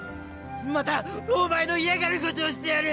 またお前のいやがることをしてやる！